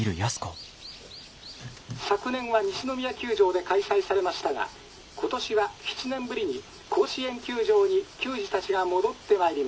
昨年は西宮球場で開催されましたが今年は７年ぶりに甲子園球場に球児たちが戻ってまいりました」。